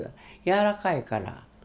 やわらかいから。